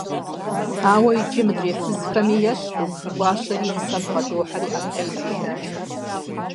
Ауэ иджы мыдрей фызхэми ещхьу, гуащэри и нысэм бгъэдохьэри ӀэплӀэ ирешэкӀ.